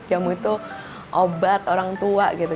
jamu itu obat orang tua gitu